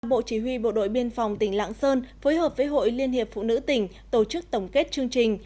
bộ chỉ huy bộ đội biên phòng tỉnh lạng sơn phối hợp với hội liên hiệp phụ nữ tỉnh tổ chức tổng kết chương trình